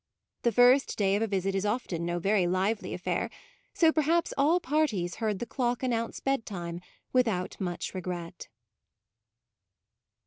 The first day of a visit is often no very lively affair; so per haps all parties heard the clock an nounce bedtime without much regret.